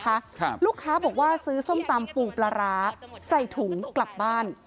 ครับลูกค้าบอกว่าซื้อส้มตำปูปลาร้าใส่ถุงกลับบ้าน